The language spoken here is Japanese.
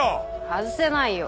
外せないよ。